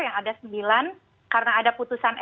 yang ada sembilan karena ada putusan